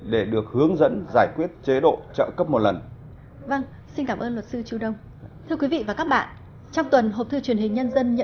để được hướng dẫn giải quyết chế độ trợ cấp một lần